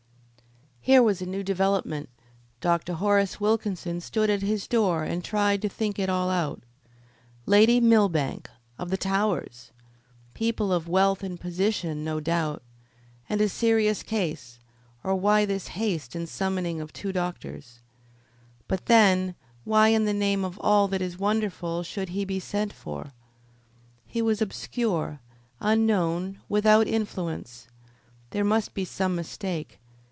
Here was a new development. Dr. Horace Wilkinson stood at his door and tried to think it all out. Lady Millbank, of the Towers! People of wealth and position, no doubt. And a serious case, or why this haste and summoning of two doctors? But, then, why in the name of all that is wonderful should he be sent for? He was obscure, unknown, without influence. There must be some mistake.